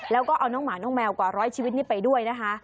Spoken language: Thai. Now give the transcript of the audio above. แล้วก็เอาน้องหมาน้องแมวกว่าร้อยชีวิตนี้ไปด้วยนะคะ